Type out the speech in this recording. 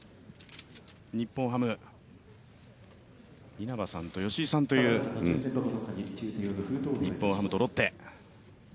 稲葉さんと吉井さんという、日本ハムとロッテ。